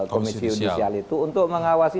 komisi yudisial itu untuk mengawasi